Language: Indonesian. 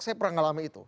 saya pernah ngalamin itu